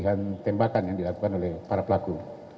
dan yang ketiga adalah perusahaan yang dilakukan oleh para pelaku